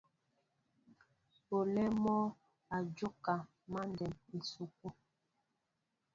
Olê mɔ́ a jóka mǎndɛm esukû.